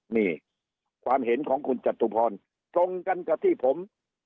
นี่ความเห็นของคุณจตุพรตรงกันกับที่ผม